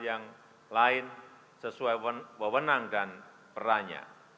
yang lain sesuai wewenang dan perannya